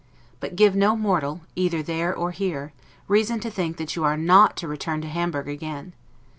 But give no mortal, either there or here, reason to think that you are not to return to Hamburg again.